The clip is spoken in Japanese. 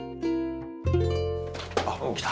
あっ来た。